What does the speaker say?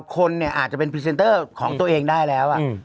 คนอาจจะเป็นพรีเซนเตอร์ของตัวเองได้แล้ว